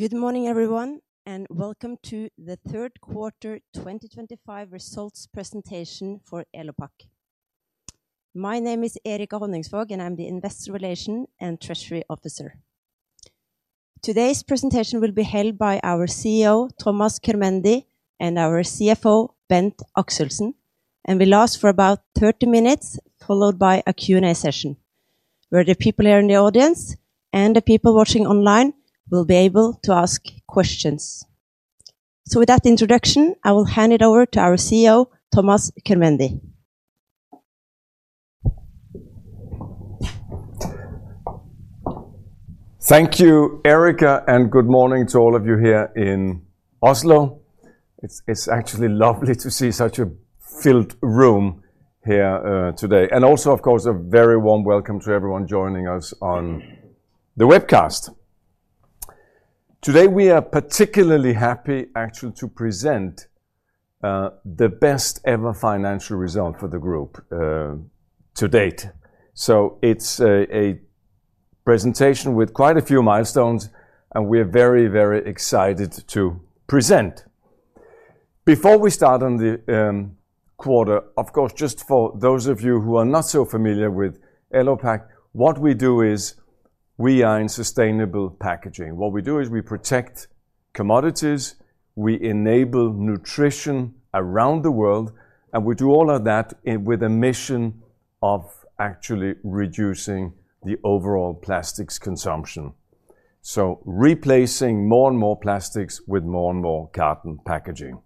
Good morning, everyone, and welcome to the third quarter 2025 results presentation for Elopak. My name is Erica Binde Honningsvåg, and I'm the Investor Relations and Treasury Officer. Today's presentation will be held by our CEO, Thomas Körmendi, and our CFO, Bent A. Axelsen, and will last for about 30 minutes, followed by a Q&A session where the people here in the audience and the people watching online will be able to ask questions. With that introduction, I will hand it over to our CEO, Thomas Körmendi. Thank you, Erica, and good morning to all of you here in Oslo. It's actually lovely to see such a filled room here today, and also, of course, a very warm welcome to everyone joining us on the webcast. Today, we are particularly happy, actually, to present the best ever financial result for the group to date. It's a presentation with quite a few milestones, and we're very, very excited to present. Before we start on the quarter, of course, just for those of you who are not so familiar with Elopak, what we do is we are in sustainable packaging. What we do is we protect commodities, we enable nutrition around the world, and we do all of that with a mission of actually reducing the overall plastics consumption, replacing more and more plastics with more and more carton packaging.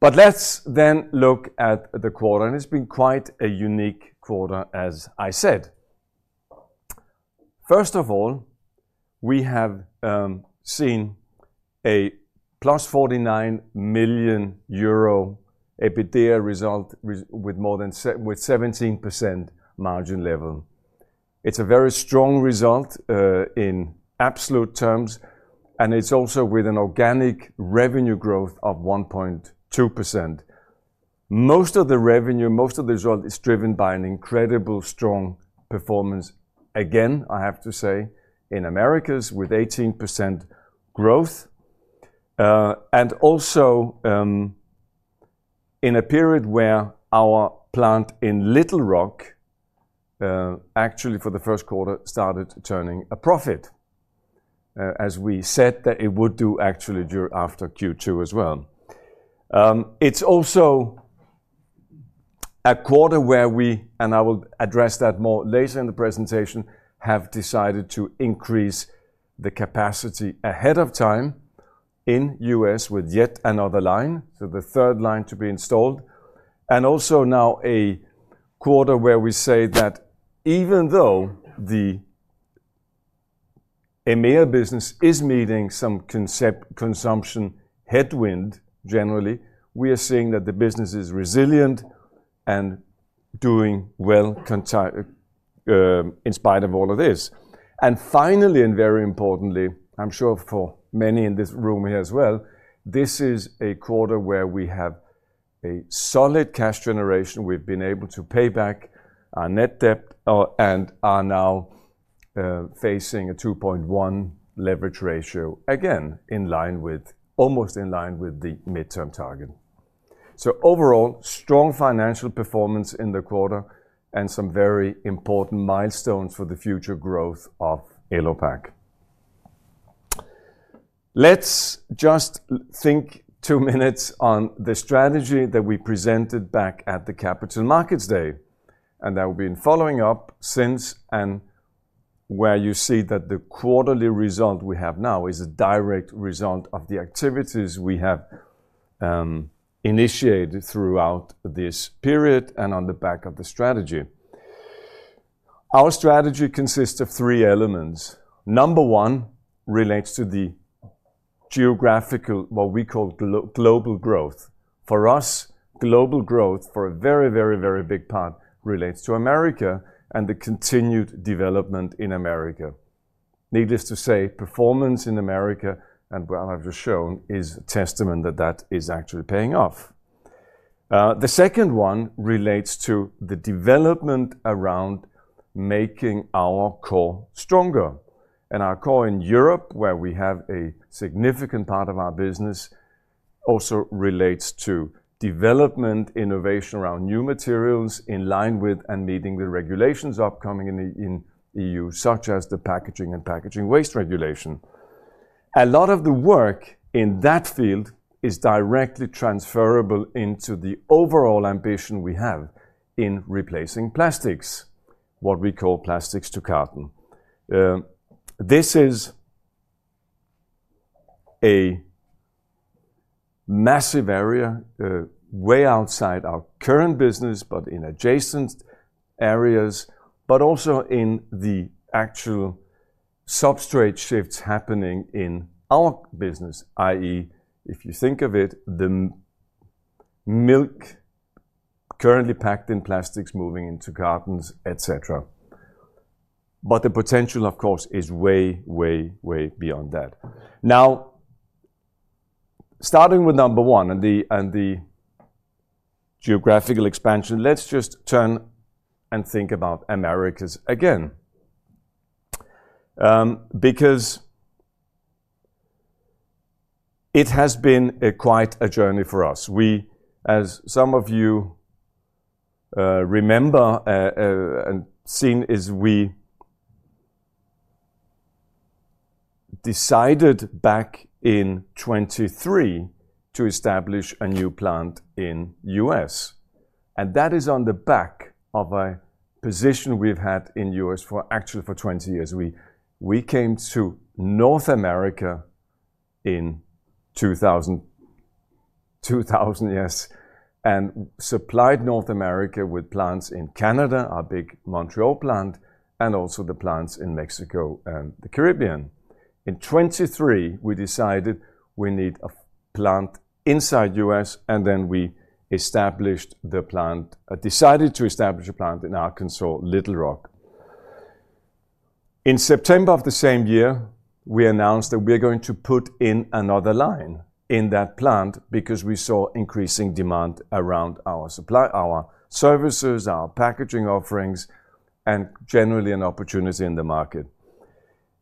Let's then look at the quarter, and it's been quite a unique quarter, as I said. First of all, we have seen a plus €49 million EBITDA result with more than 17% margin level. It's a very strong result in absolute terms, and it's also with an organic revenue growth of 1.2%. Most of the revenue, most of the result is driven by an incredibly strong performance. Again, I have to say, in Americas with 18% growth, and also in a period where our plant in Little Rock actually for the first quarter started turning a profit, as we said that it would do actually after Q2 as well. It's also a quarter where we, and I will address that more later in the presentation, have decided to increase the capacity ahead of time in the U.S. with yet another line, the third line to be installed, and also now a quarter where we say that even though the EMEA business is meeting some consumption headwind generally, we are seeing that the business is resilient and doing well in spite of all of this. Finally, and very importantly, I'm sure for many in this room here as well, this is a quarter where we have a solid cash generation. We've been able to pay back our net debt and are now facing a 2.1% leverage ratio, again almost in line with the midterm target. Overall, strong financial performance in the quarter and some very important milestones for the future growth of Elopak. Let's just think two minutes on the strategy that we presented back at the Capital Markets Day, and that will be in following up since and where you see that the quarterly result we have now is a direct result of the activities we have initiated throughout this period and on the back of the strategy. Our strategy consists of three elements. Number one relates to the geographical, what we call global growth. For us, global growth for a very, very, very big part relates to America and the continued development in America. Needless to say, performance in America, and what I've just shown, is a testament that that is actually paying off. The second one relates to the development around making our core stronger, and our core in Europe, where we have a significant part of our business, also relates to development, innovation around new materials in line with and meeting the regulations upcoming in the EU, such as the packaging and packaging waste regulation. A lot of the work in that field is directly transferable into the overall ambition we have in replacing plastics, what we call plastics to carton. This is a massive area way outside our current business, but in adjacent areas, but also in the actual substrate shifts happening in our business, i.e., if you think of it, the milk currently packed in plastics moving into cartons, etc. The potential, of course, is way, way, way beyond that. Now, starting with number one and the geographical expansion, let's just turn and think about Americas again because it has been quite a journey for us. As some of you remember and have seen, we decided back in 2023 to establish a new plant in the U.S., and that is on the back of a position we've had in the U.S. for actually 20 years. We came to North America in 2000, yes, and supplied North America with plants in Canada, our big Montreal plant, and also the plants in Mexico and the Caribbean. In 2023, we decided we need a plant inside the U.S., and then we established the plant, decided to establish a plant in Arkansas, Little Rock. In September of the same year, we announced that we're going to put in another line in that plant because we saw increasing demand around our supply, our services, our packaging offerings, and generally an opportunity in the market.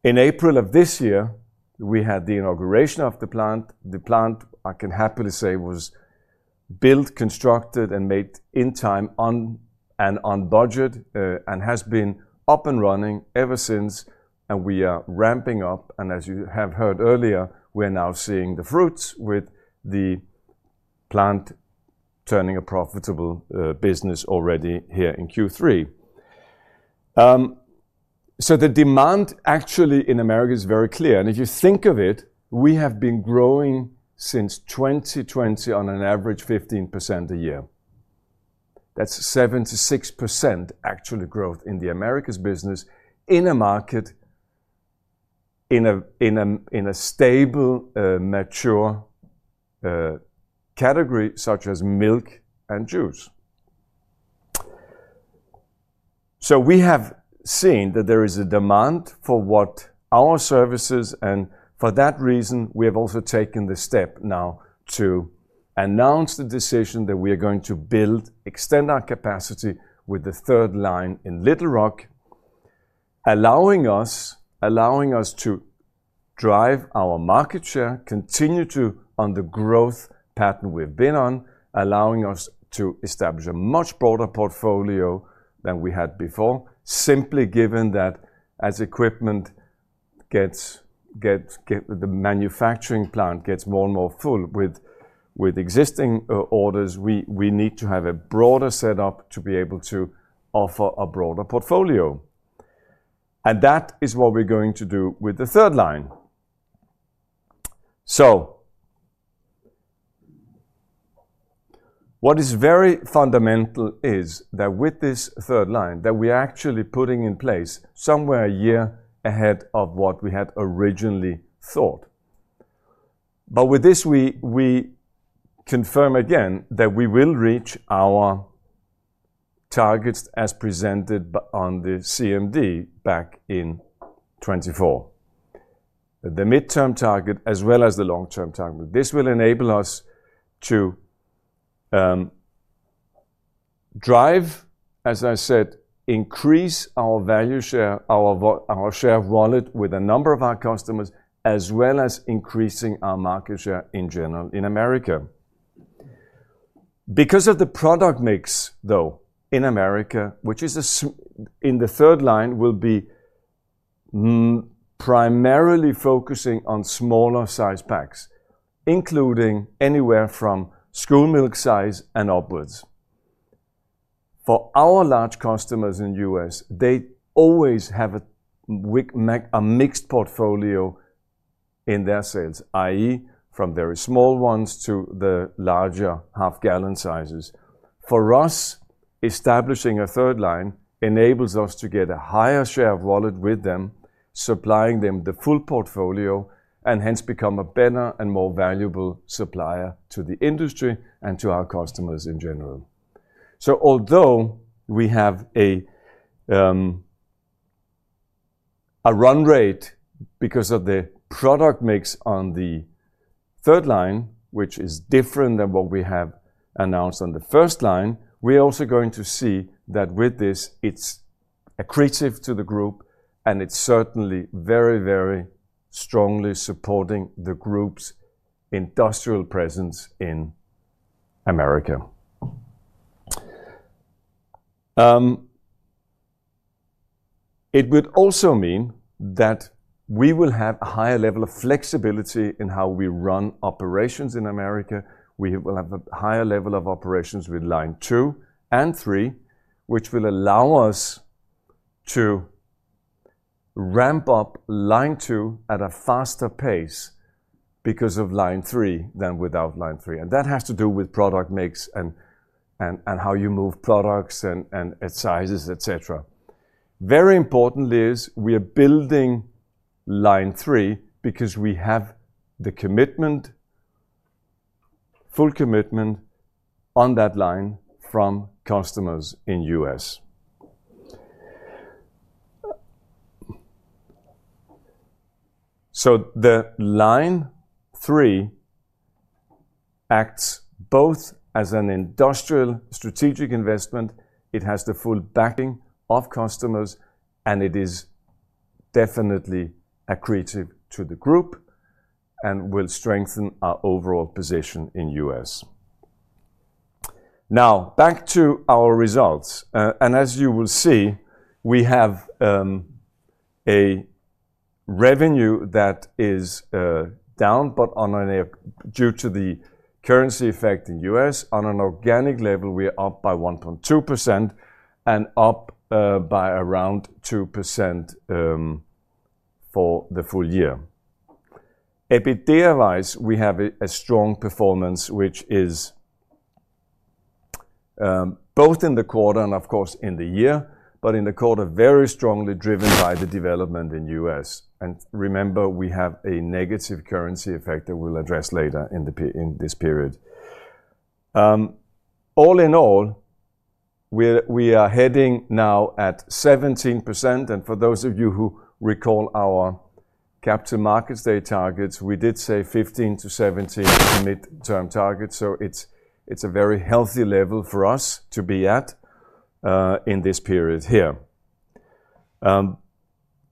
In April of this year, we had the inauguration of the plant. The plant, I can happily say, was built, constructed, and made in time and on budget and has been up and running ever since, and we are ramping up. As you have heard earlier, we're now seeing the fruits with the plant turning a profitable business already here in Q3. The demand actually in America is very clear, and if you think of it, we have been growing since 2020 on an average of 15% a year. That's 76% actual growth in the Americas business in a market in a stable, mature category such as milk and juice. We have seen that there is a demand for our services, and for that reason, we have also taken the step now to announce the decision that we are going to build, extend our capacity with the third line in Little Rock, allowing us to drive our market share, continue on the growth pattern we've been on, allowing us to establish a much broader portfolio than we had before, simply given that as equipment gets, the manufacturing plant gets more and more full with existing orders, we need to have a broader setup to be able to offer a broader portfolio. That is what we're going to do with the third line. What is very fundamental is that with this third line that we're actually putting in place somewhere a year ahead of what we had originally thought. With this, we confirm again that we will reach our targets as presented on the CMD back in 2024. The midterm target as well as the long-term target, this will enable us to drive, as I said, increase our value share, our share of wallet with a number of our customers, as well as increasing our market share in general in America. Because of the product mix, though, in America, which is in the third line, will be primarily focusing on smaller size packs, including anywhere from school milk size and upwards. For our large customers in the U.S., they always have a mixed portfolio in their sales, i.e., from very small ones to the larger half-gallon sizes. For us, establishing a third line enables us to get a higher share of wallet with them, supplying them the full portfolio, and hence become a better and more valuable supplier to the industry and to our customers in general. Although we have a run rate because of the product mix on the third line, which is different than what we have announced on the first line, we're also going to see that with this, it's accretive to the group, and it's certainly very, very strongly supporting the group's industrial presence in America. It would also mean that we will have a higher level of flexibility in how we run operations in America. We will have a higher level of operations with line two and three, which will allow us to ramp up line two at a faster pace because of line three than without line three. That has to do with product mix and how you move products and sizes, etc. Very importantly, we are building line three because we have the commitment, full commitment on that line from customers in the U.S. The line three acts both as an industrial strategic investment. It has the full backing of customers, and it is definitely accretive to the group and will strengthen our overall position in the U.S. Now, back to our results. As you will see, we have a revenue that is down due to the currency effect in the U.S. On an organic level, we are up by 1.2% and up by around 2% for the full year. EBITDA-wise, we have a strong performance, which is both in the quarter and, of course, in the year, but in the quarter, very strongly driven by the development in the U.S. Remember, we have a negative currency effect that we'll address later in this period. All in all, we are heading now at 17%. For those of you who recall our Capital Markets Day targets, we did say 15% to 17% midterm targets. It's a very healthy level for us to be at in this period here.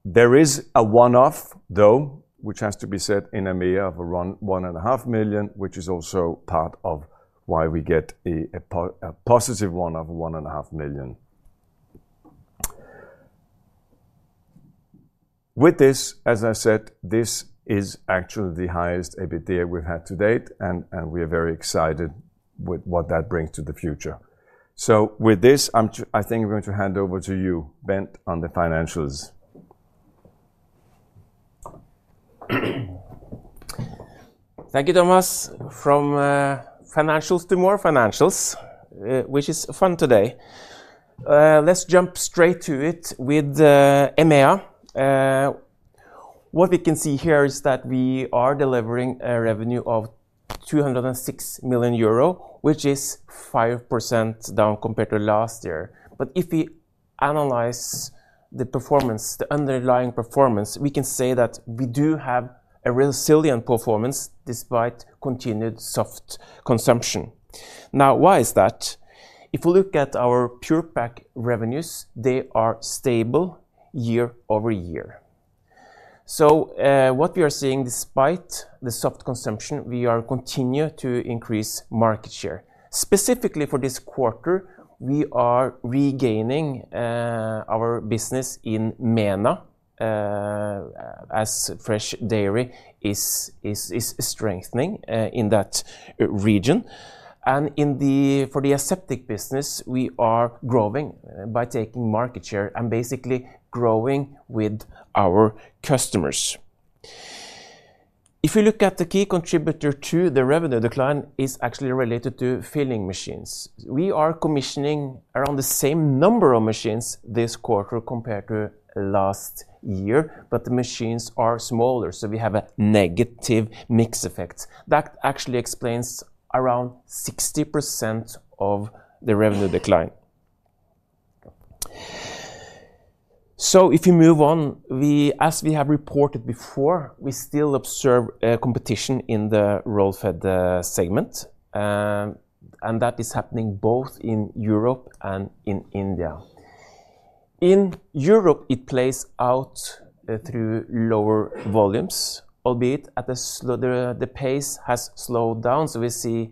There is a one-off, though, which has to be set in EMEA of around $1.5 million, which is also part of why we get a positive one of $1.5 million. With this, as I said, this is actually the highest EBITDA we've had to date, and we are very excited with what that brings to the future. With this, I think I'm going to hand over to you, Bent, on the financials. Thank you, Thomas, from financials to more financials, which is fun today. Let's jump straight to it with EMEA. What we can see here is that we are delivering a revenue of €206 million, which is 5% down compared to last year. If we analyze the performance, the underlying performance, we can say that we do have a resilient performance despite continued soft consumption. Now, why is that? If we look at our Pure-Pak revenues, they are stable year over year. What we are seeing, despite the soft consumption, is we continue to increase market share. Specifically for this quarter, we are regaining our business in MENA, as fresh dairy is strengthening in that region. For the aseptic business, we are growing by taking market share and basically growing with our customers. If we look at the key contributor to the revenue decline, it's actually related to filling machines. We are commissioning around the same number of machines this quarter compared to last year, but the machines are smaller, so we have a negative mix effect. That actually explains around 60% of the revenue decline. As we have reported before, we still observe competition in the roll fed segment, and that is happening both in Europe and in India. In Europe, it plays out through lower volumes, albeit the pace has slowed down. We see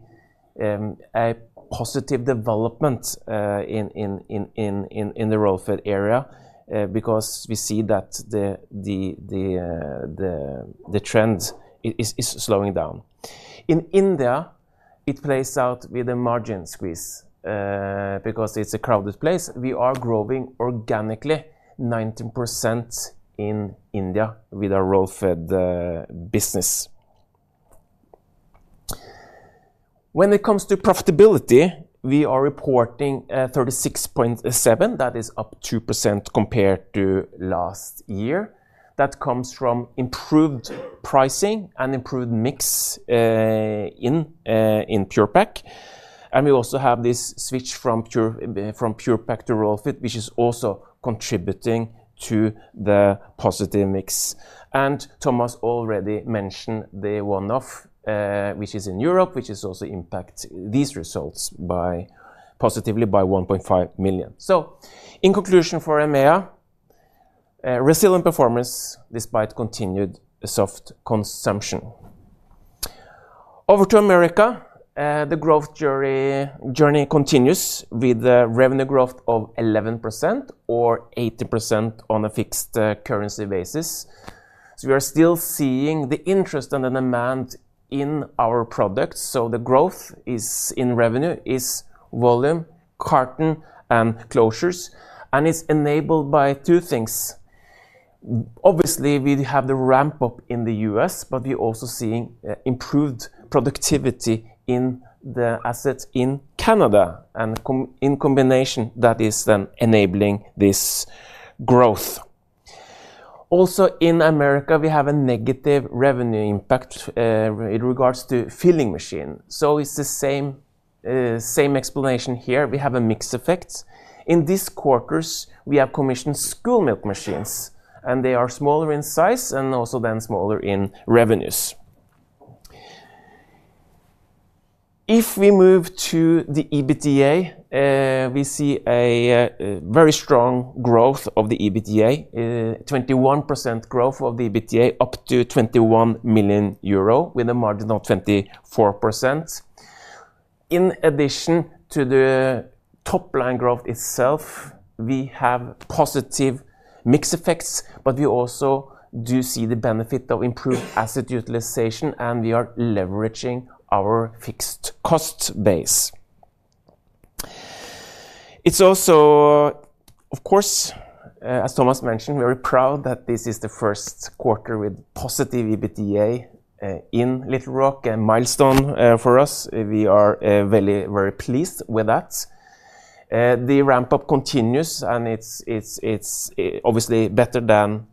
a positive development in the roll fed area because we see that the trend is slowing down. In India, it plays out with a margin squeeze because it's a crowded place. We are growing organically 19% in India with our roll fed business. When it comes to profitability, we are reporting 36.7%. That is up 2% compared to last year. That comes from improved pricing and improved mix in Pure-Pak. We also have this switch from Pure-Pak to roll fed, which is also contributing to the positive mix. Thomas already mentioned the one-off, which is in Europe, which also impacts these results positively by €1.5 million. In conclusion for EMEA, resilient performance despite continued soft consumption. Over to America, the growth journey continues with revenue growth of 11% or 18% on a fixed currency basis. We are still seeing the interest and the demand in our products. The growth in revenue is volume, carton, and closures, and it's enabled by two things. Obviously, we have the ramp-up in the U.S., but we're also seeing improved productivity in the assets in Canada, and in combination, that is then enabling this growth. Also, in America, we have a negative revenue impact in regards to filling machines. It's the same explanation here. We have a mix effect. In these quarters, we have commissioned school milk machines, and they are smaller in size and also then smaller in revenues. If we move to the EBITDA, we see a very strong growth of the EBITDA, 21% growth of the EBITDA up to €21 million with a margin of 24%. In addition to the top line growth itself, we have positive mix effects, but we also do see the benefit of improved asset utilization, and we are leveraging our fixed cost base. It's also, of course, as Thomas Körmendi mentioned, very proud that this is the first quarter with positive EBITDA in Little Rock, a milestone for us. We are very, very pleased with that. The ramp-up continues, and it's obviously better than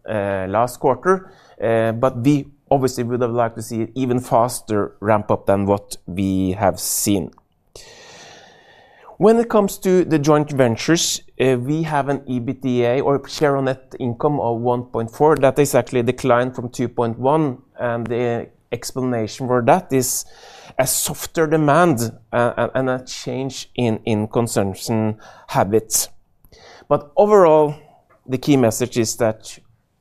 last quarter, but we obviously would have liked to see an even faster ramp-up than what we have seen. When it comes to the joint ventures, we have an EBITDA or share on net income of €1.4 million. That is actually declined from €2.1 million, and the explanation for that is a softer demand and a change in consumption habits. Overall, the key message is that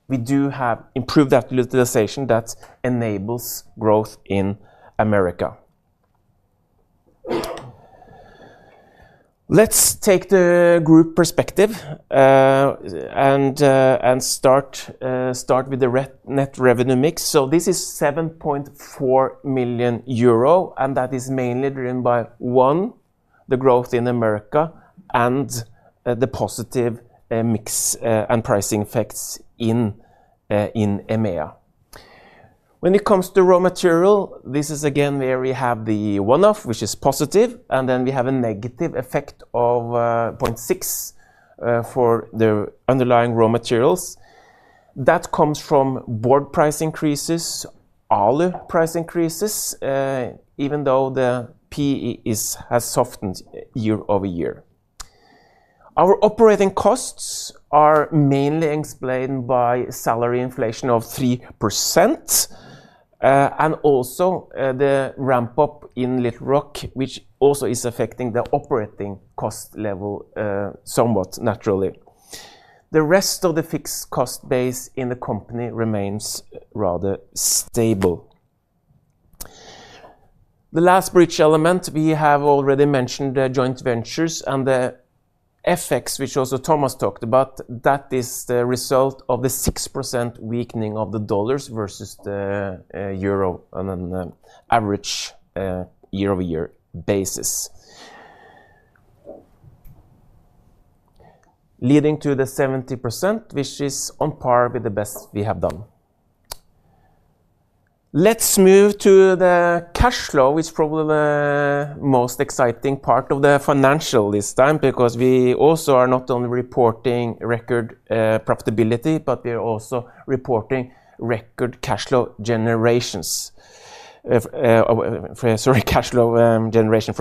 we do have improved utilization that enables growth in America. Let's take the group perspective and start with the net revenue mix. This is €7.4 million, and that is mainly driven by, one, the growth in America and the positive mix and pricing effects in EMEA. When it comes to raw material, this is again where we have the one-off, which is positive, and then we have a negative effect of €0.6 million for the underlying raw materials. That comes from board price increases, alloy price increases, even though the PE has softened year over year. Our operating costs are mainly explained by salary inflation of 3% and also the ramp-up in Little Rock, which also is affecting the operating cost level somewhat naturally. The rest of the fixed cost base in the company remains rather stable. The last bridge element, we have already mentioned the joint ventures and the FX, which also Thomas Körmendi talked about. That is the result of the 6% weakening of the dollars versus the euro on an average year-over-year basis, leading to the 70%, which is on par with the best we have done. Let's move to the cash flow, which is probably the most exciting part of the financials this time because we also are not only reporting record profitability, but we are also reporting record cash flow generation from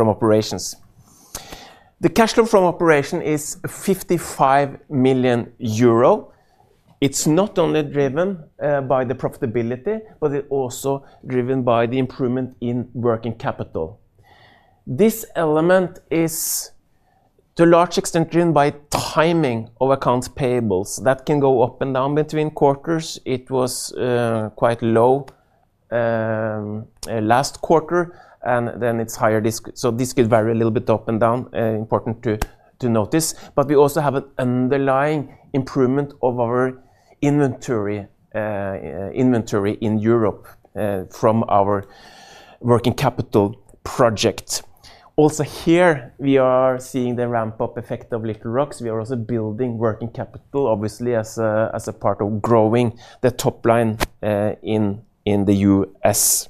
operations. The cash flow from operation is €55 million. It's not only driven by the profitability, but it's also driven by the improvement in working capital. This element is to a large extent driven by timing of accounts payables. That can go up and down between quarters. It was quite low last quarter, and then it's higher. This could vary a little bit up and down, important to notice. We also have an underlying improvement of our inventory in Europe from our working capital project. Also here, we are seeing the ramp-up effect of Little Rock. We are also building working capital, obviously, as a part of growing the top line in the U.S.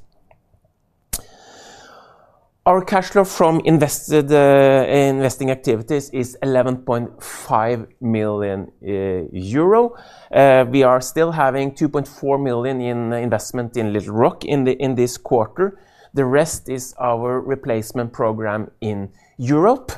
Our cash flow from investing activities is €11.5 million. We are still having €2.4 million in investment in Little Rock in this quarter. The rest is our replacement program in Europe,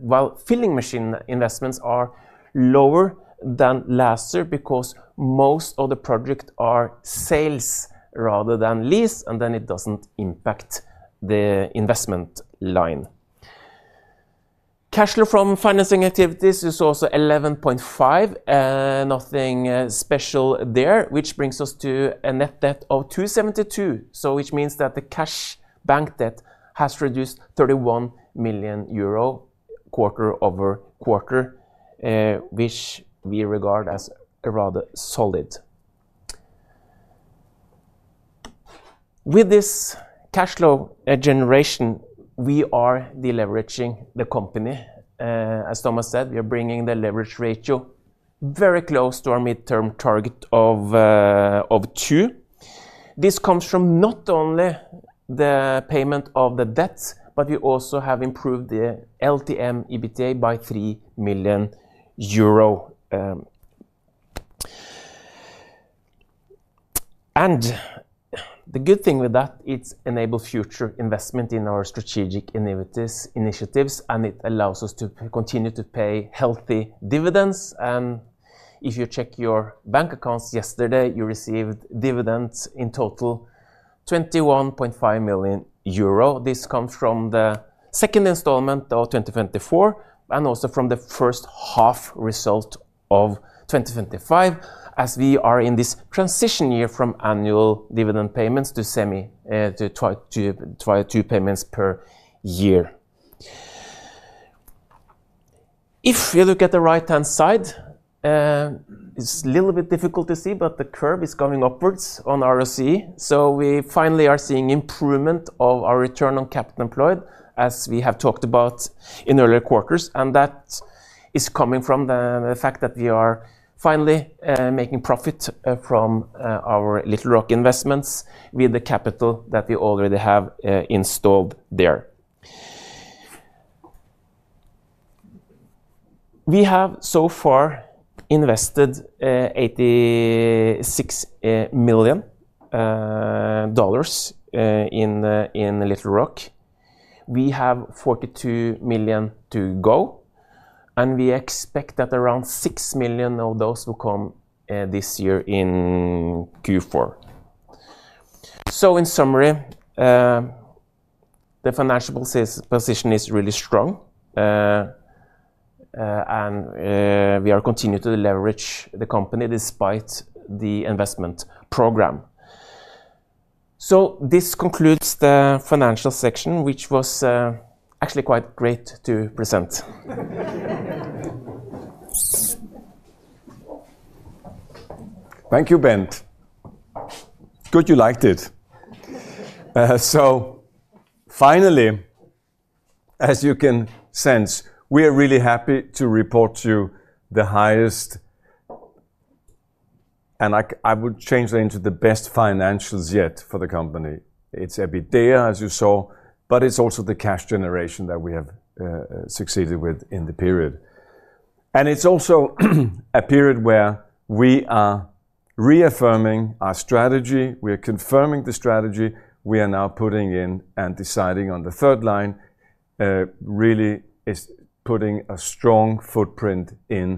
while filling machine investments are lower than last year because most of the projects are sales rather than lease, and then it doesn't impact the investment line. Cash flow from financing activities is also €11.5 million, nothing special there, which brings us to a net debt of €272 million. This means that the cash bank debt has reduced €31 million quarter over quarter, which we regard as rather solid. With this cash flow generation, we are deleveraging the company. As Thomas Körmendi said, we are bringing the leverage ratio very close to our midterm target of 2. This comes from not only the payment of the debts, but we also have improved the LTM EBITDA by €3 million. The good thing with that, it enables future investment in our strategic initiatives, and it allows us to continue to pay healthy dividends. If you check your bank accounts yesterday, you received dividends in total of €21.5 million. This comes from the second installment of 2024 and also from the first half result of 2025, as we are in this transition year from annual dividend payments to semi-to payments per year. If you look at the right-hand side, it's a little bit difficult to see, but the curve is going upwards on RSE. We finally are seeing improvement of our return on capital employed, as we have talked about in earlier quarters, and that is coming from the fact that we are finally making profit from our Little Rock investments with the capital that we already have installed there. We have so far invested $86 million in Little Rock. We have $42 million to go, and we expect that around $6 million of those will come this year in Q4. In summary, the financial position is really strong, and we are continuing to leverage the company despite the investment program. This concludes the financial section, which was actually quite great to present. Thank you, Bent. Good you liked it. Finally, as you can sense, we are really happy to report to you the highest, and I would change that into the best financials yet for the company. It's EBITDA, as you saw, but it's also the cash generation that we have succeeded with in the period. It's also a period where we are reaffirming our strategy. We are confirming the strategy. We are now putting in and deciding on the third line, really is putting a strong footprint in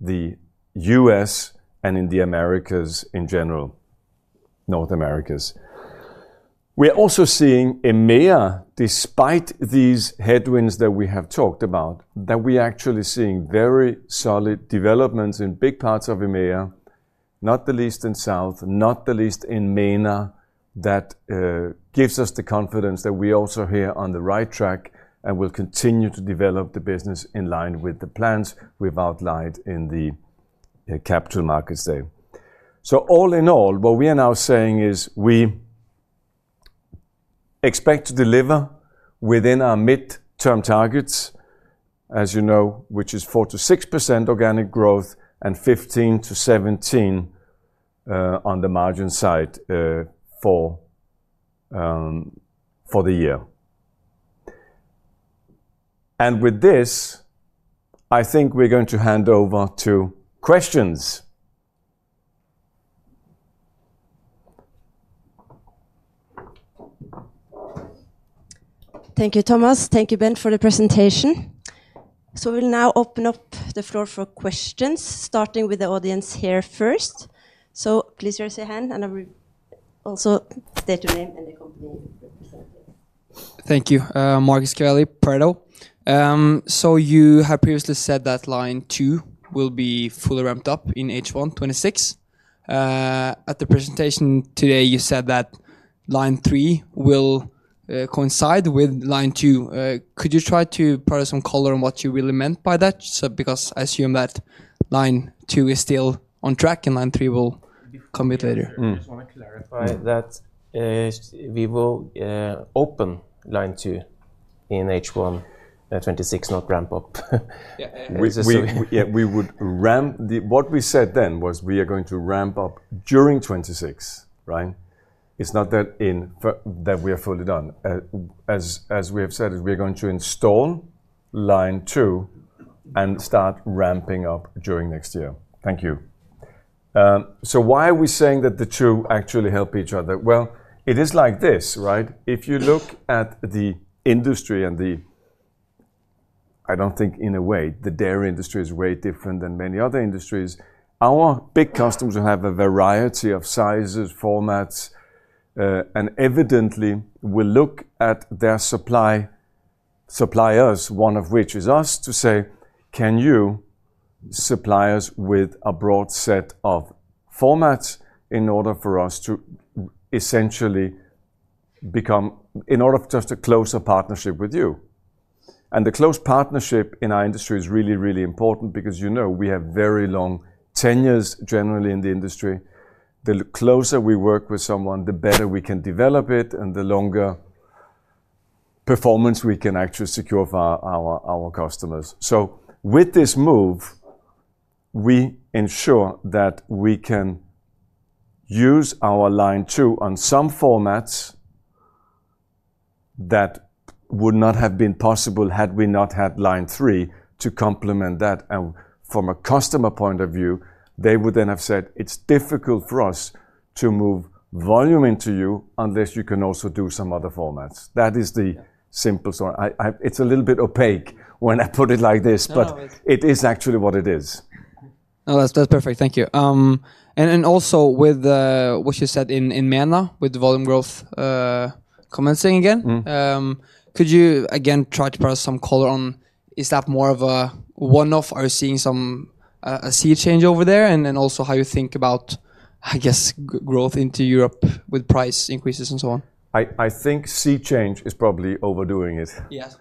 the U.S. and in the Americas in general, North America. We are also seeing EMEA, despite these headwinds that we have talked about, that we are actually seeing very solid developments in big parts of EMEA, not the least in South, not the least in MENA, that gives us the confidence that we are also here on the right track and will continue to develop the business in line with the plans we've outlined in the Capital Markets Day. All in all, what we are now saying is we expect to deliver within our midterm targets, as you know, which is 4% to 6% organic growth and 15% to 17% on the margin side for the year. With this, I think we're going to hand over to questions. Thank you, Thomas. Thank you, Bent, for the presentation. We will now open up the floor for questions, starting with the audience here first. Please raise your hand, and I will also state your name and the company you represent. Thank you. Marcus Gavelli, Pareto. You had previously said that line two will be fully ramped up in H1 2026. At the presentation today, you said that line three will coincide with line two. Could you try to put some color on what you really meant by that? I assume that line two is still on track and line three will come a bit later. I just want to clarify that we will open line two in H1 2026, not ramp up. Yeah, we would ramp. What we said then was we are going to ramp up during 2026, right? It's not that we are fully done. As we have said, we are going to install line two and start ramping up during next year. Thank you. Why are we saying that the two actually help each other? It is like this, right? If you look at the industry, I don't think in a way the dairy industry is very different than many other industries. Our big customers will have a variety of sizes, formats, and evidently will look at their suppliers, one of which is us, to say, can you supply us with a broad set of formats in order for us to essentially become, in order for us to close a partnership with you? The close partnership in our industry is really, really important because you know we have very long tenures generally in the industry. The closer we work with someone, the better we can develop it and the longer performance we can actually secure for our customers. With this move, we ensure that we can use our line two on some formats that would not have been possible had we not had line three to complement that. From a customer point of view, they would then have said it's difficult for us to move volume into you unless you can also do some other formats. That is the simple story. It's a little bit opaque when I put it like this, but it is actually what it is. No, that's perfect. Thank you. Also, with what you said in MENA with the volume growth commencing again, could you again try to put some color on is that more of a one-off? Are you seeing some sea change over there, and then also how you think about, I guess, growth into Europe with price increases and so on? I think sea change is probably overdoing it. Yes.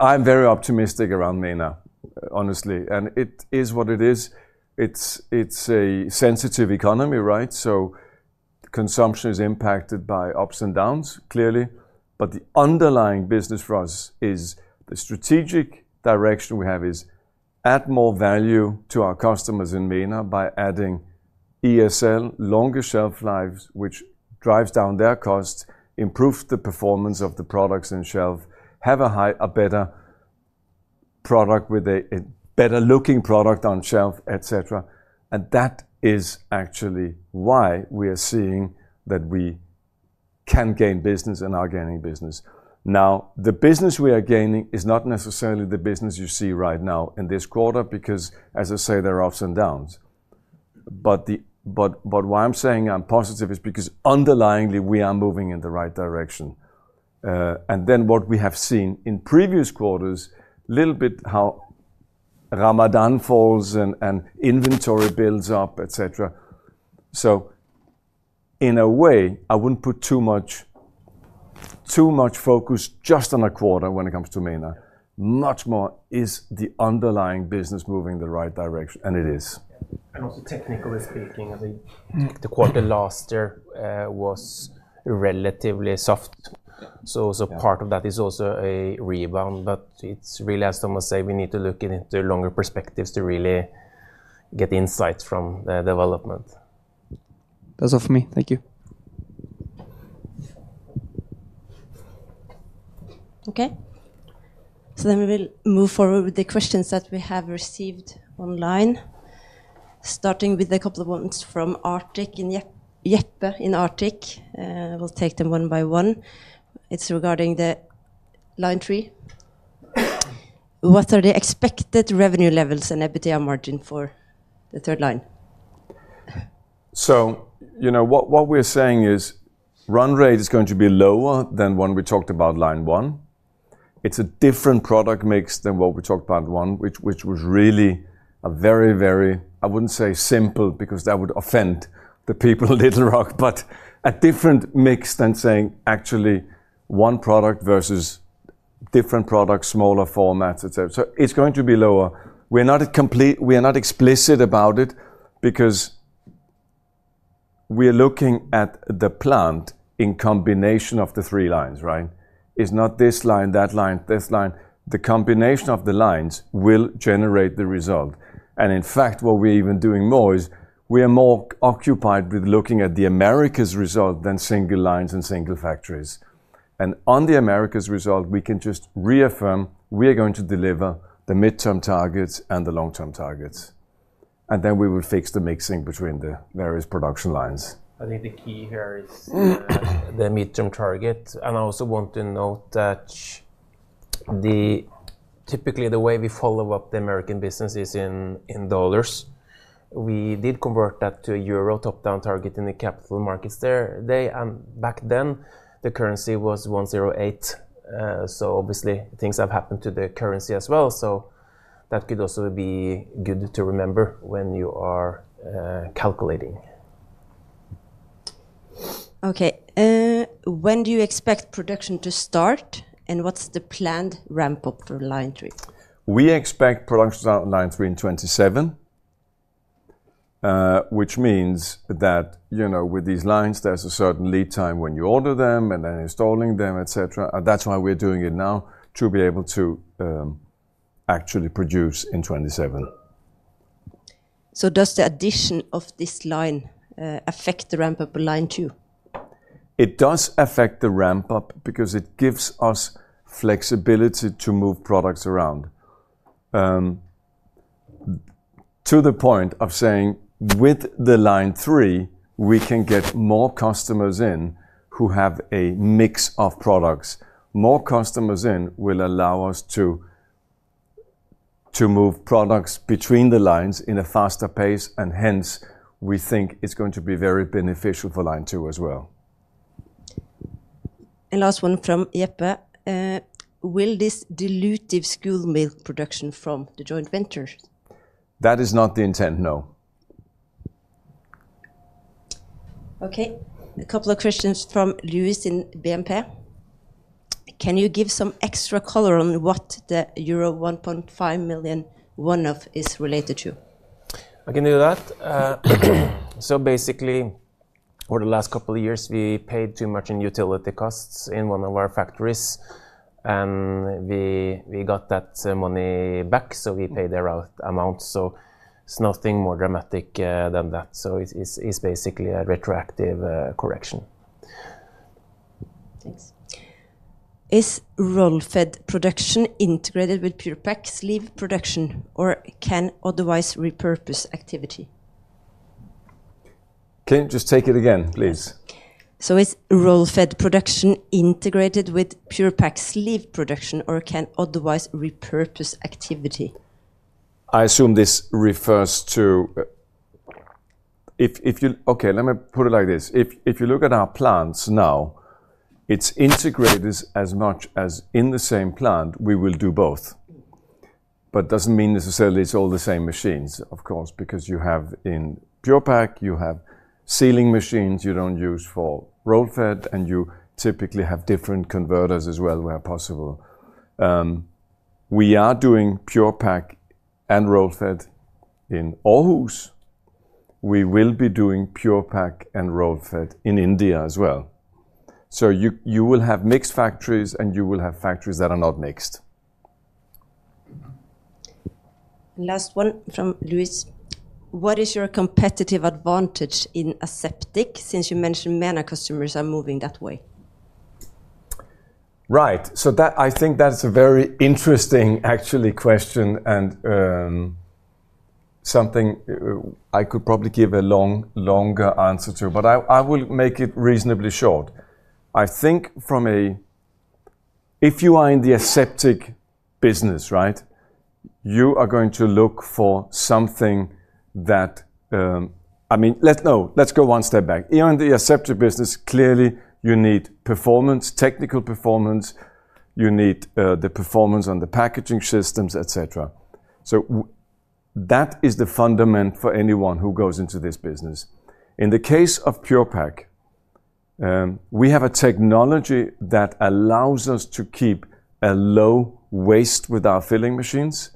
I'm very optimistic around MENA, honestly, and it is what it is. It's a sensitive economy, right? Consumption is impacted by ups and downs clearly, but the underlying business for us is the strategic direction we have is add more value to our customers in MENA by adding ESL, longer shelf lives, which drives down their cost, improves the performance of the products on shelf, have a better product with a better looking product on shelf, etc. That is actually why we are seeing that we can gain business and are gaining business. The business we are gaining is not necessarily the business you see right now in this quarter because, as I say, there are ups and downs. Why I'm saying I'm positive is because underlyingly we are moving in the right direction. What we have seen in previous quarters, a little bit how Ramadan falls and inventory builds up, etc. In a way, I wouldn't put too much focus just on a quarter when it comes to MENA. Much more is the underlying business moving in the right direction, and it is. Technically speaking, I think the quarter last year was relatively soft. Part of that is also a rebound, but it's really, as someone said, we need to look into longer perspectives to really get insights from the development. That's all for me. Thank you. Okay. We will move forward with the questions that we have received online, starting with a couple of ones from Arctic and Jeppe in Arctic. We'll take them one by one. It's regarding the line three. What are the expected revenue levels and EBITDA margin for the third line? What we're saying is run rate is going to be lower than when we talked about line one. It's a different product mix than what we talked about one, which was really a very, very, I wouldn't say simple because that would offend the people of Little Rock, but a different mix than saying actually one product versus different products, smaller formats, etc. It's going to be lower. We are not explicit about it because we are looking at the plant in combination of the three lines, right? It's not this line, that line, this line. The combination of the lines will generate the result. In fact, what we're even doing more is we are more occupied with looking at the Americas result than single lines and single factories. On the Americas result, we can just reaffirm we are going to deliver the midterm targets and the long-term targets. We will fix the mixing between the various production lines. I think the key here is the midterm target. I also want to note that typically the way we follow up the American business is in dollars. We did convert that to a euro top-down target in the capital markets there. Back then, the currency was 1.08. Obviously, things have happened to the currency as well. That could also be good to remember when you are calculating. Okay. When do you expect production to start, and what's the planned ramp-up for line three? We expect production on line three in 2027, which means that with these lines, there's a certain lead time when you order them and then installing them, etc. That's why we're doing it now to be able to actually produce in 2027. Does the addition of this line affect the ramp-up of line two? It does affect the ramp-up because it gives us flexibility to move products around. To the point of saying with the line three, we can get more customers in who have a mix of products. More customers in will allow us to move products between the lines at a faster pace. Hence, we think it's going to be very beneficial for line two as well. Will this dilute school milk production from the joint venture? That is not the intent, no. Okay. A couple of questions from Louis in BMP. Can you give some extra color on what the €1.5 million one-off is related to? I can do that. Basically, over the last couple of years, we paid too much in utility costs in one of our factories, and we got that money back. We paid the amount. It's nothing more dramatic than that. It's basically a retroactive correction. Thanks. Is roll-fed production integrated with Pure-Pak sleeve production, or can otherwise repurpose activity? Can you just take it again, please. Is roll fed production integrated with Pure-Pak sleeve production or can otherwise repurpose activity? I assume this refers to, okay, let me put it like this. If you look at our plants now, it's integrated as much as in the same plant, we will do both. It doesn't mean necessarily it's all the same machines, of course, because you have in Pure-Pak, you have sealing machines you don't use for roll fed, and you typically have different converters as well where possible. We are doing Pure-Pak and roll fed in Aarhus. We will be doing Pure-Pak and roll fed in India as well. You will have mixed factories and you will have factories that are not mixed. Last one from Louis. What is your competitive advantage in aseptic since you mentioned MENA customers are moving that way? Right. I think that's a very interesting, actually, question and something I could probably give a longer answer to, but I will make it reasonably short. I think if you are in the aseptic business, you are going to look for something that, I mean, let's go one step back. You're in the aseptic business. Clearly, you need performance, technical performance. You need the performance on the packaging systems, etc. That is the fundament for anyone who goes into this business. In the case of Pure-Pak, we have a technology that allows us to keep a low waste with our filling machines.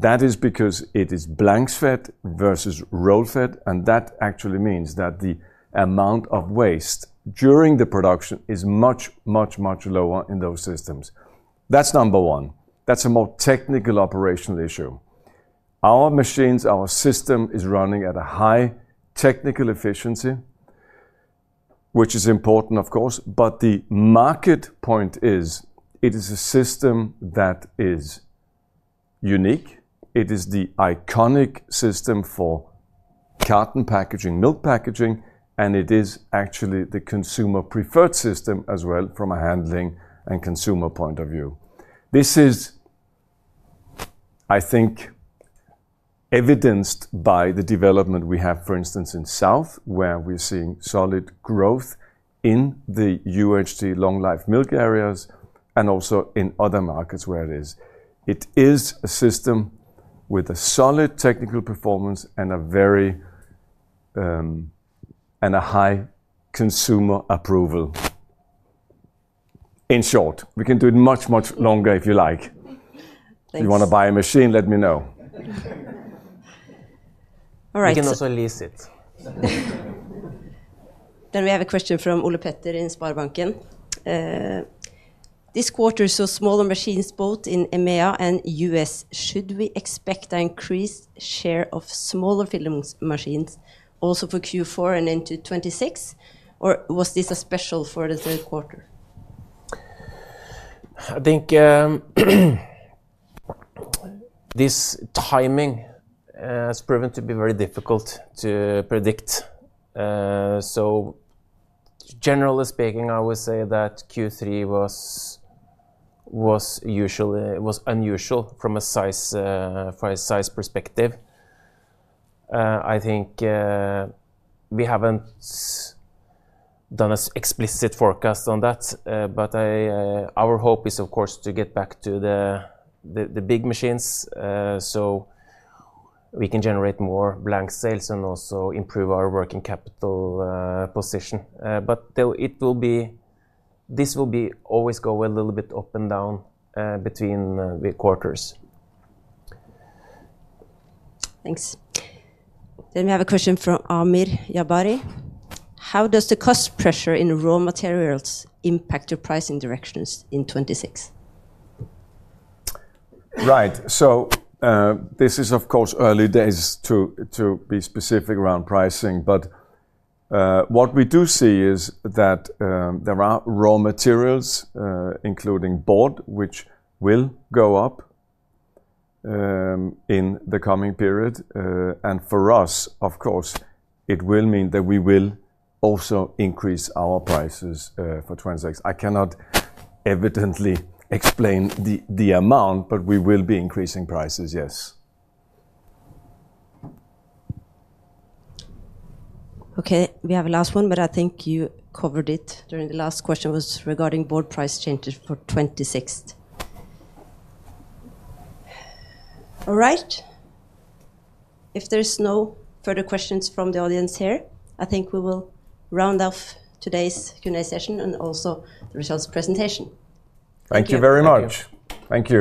That is because it is blanks fed versus roll fed, and that actually means that the amount of waste during the production is much, much, much lower in those systems. That's number one. That's a more technical operational issue. Our machines, our system is running at a high technical efficiency, which is important, of course, but the market point is it is a system that is unique. It is the iconic system for carton packaging, milk packaging, and it is actually the consumer preferred system as well from a handling and consumer point of view. This is, I think, evidenced by the development we have, for instance, in South, where we're seeing solid growth in the UHT long-life milk areas and also in other markets where it is. It is a system with a solid technical performance and a very high consumer approval. In short, we can do it much, much longer if you like. Thank you. If you want to buy a machine, let me know. All right. We can also lease it. We have a question from Ole-Petter in Sparebanken. This quarter, smaller machines both in EMEA and U.S. Should we expect an increased share of smaller filling machines also for Q4 and into 2026, or was this a special for the third quarter? I think this timing has proven to be very difficult to predict. Generally speaking, I would say that Q3 was unusual from a size perspective. I think we haven't done an explicit forecast on that, but our hope is, of course, to get back to the big machines so we can generate more blank sales and also improve our working capital position. This will always go a little bit up and down between the quarters. Thanks. We have a question from Amir Jabari. How does the cost pressure in raw materials impact your pricing directions in 2026? Right. This is, of course, early days to be specific around pricing, but what we do see is that there are raw materials, including board, which will go up in the coming period. For us, of course, it will mean that we will also increase our prices for 2026. I cannot evidently explain the amount, but we will be increasing prices, yes. Okay. We have a last one, but I think you covered it during the last question, was regarding board price changes for 2026. All right. If there's no further questions from the audience here, I think we will round off today's Q&A session and also the results presentation. Thank you very much. Thank you.